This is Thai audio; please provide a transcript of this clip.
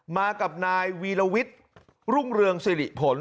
มากับนายวีรวิทย์รุ่งเรืองสิริผล